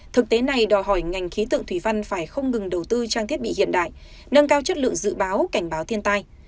thực tế này đòi hỏi ngành khí tượng thủy văn phải không ngừng đầu tư trang thiết bị hiện đại nâng cao chất lượng dự báo cảnh báo thiên tai